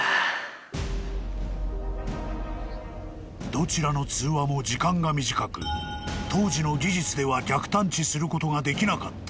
☎☎［どちらの通話も時間が短く当時の技術では逆探知することができなかった］